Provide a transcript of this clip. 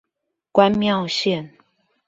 關廟線